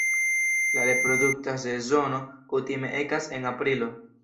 La reprodukta sezono kutime ekas en aprilo.